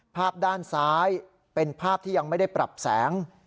ภาพด้านซ้ายเป็นภาพที่ยังไม่ได้ปรับแสง